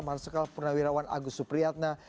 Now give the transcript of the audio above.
marsikal pernah wirawan agus supriyatna